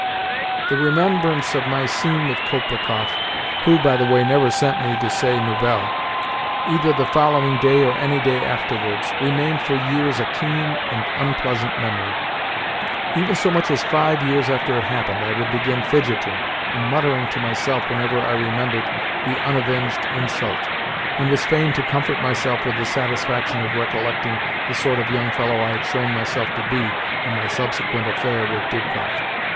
The remembrance of my scene with Kolpikoff who, by the way, never sent me "de ses nouvelles," either the following day or any day afterwards remained for years a keen and unpleasant memory. Even so much as five years after it had happened I would begin fidgeting and muttering to myself whenever I remembered the unavenged insult, and was fain to comfort myself with the satisfaction of recollecting the sort of young fellow I had shown myself to be in my subsequent affair with Dubkoff.